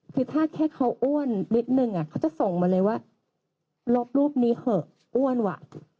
คือถ้าแค่เขาอ้วนนิดนึงเขาจะส่งมาเลยว่าลบรูปนี้เถอะอ้วนว่ะ